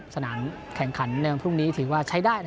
สนามแข่งขันในวันพรุ่งนี้ถือว่าใช้ได้